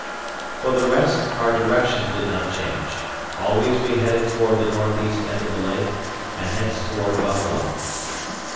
For the rest, our direction did not change. Always we headed toward the northeast end of the lake, and hence toward Buffalo.